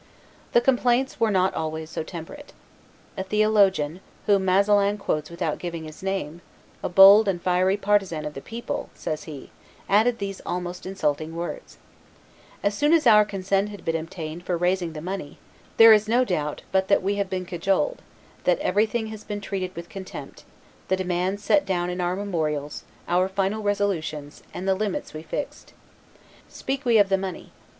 The complaints were not always so temperate. A theologian, whom Masselin quotes without giving his name, "a bold and fiery partisan of the people," says he, added these almost insulting words: "As soon as our consent had been obtained for raising the money, there is no doubt but that we have been cajoled, that everything has been treated with contempt, the demands set down in our memorials, our final resolutions, and the limits we fixed. Speak we of the money.